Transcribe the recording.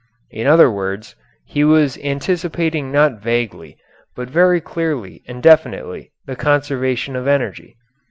In other words, he was anticipating not vaguely, but very clearly and definitely, the conservation of energy.